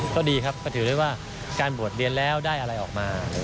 ก็ดีครับก็ถือได้ว่าการบวชเรียนแล้วได้อะไรออกมา